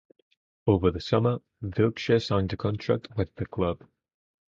Over the summer, Wilkshire signed a contract with the club.